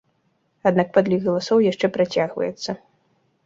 Аднак падлік галасоў яшчэ працягваецца.